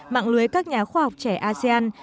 mạng lưới các nhà khoa học trẻ asean